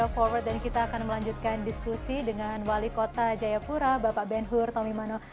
terima kasih dengan wali kota jayapura bapak ben hur tommy mano